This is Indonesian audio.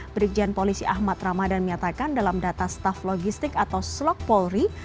brigjen polisi ahmad ramadan menyatakan dalam data staf logistik atau slok polri